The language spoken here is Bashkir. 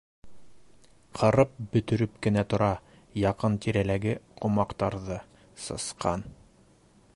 Ҡырып бөтөрөп кенә тора яҡын-тирәләге ҡомаҡтарҙы, сысҡан...